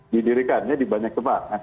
didirikannya di banyak tempat